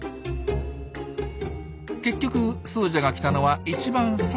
結局スージャが来たのは一番最後。